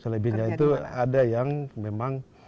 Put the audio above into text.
selebihnya itu ada yang memang